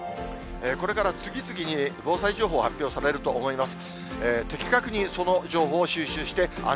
これから次々に防災情報、発表されると思います。